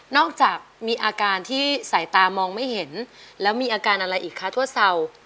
จากมีอาการที่สายตามองไม่เห็นแล้วมีอาการอะไรอีกคะทั่วเศร้า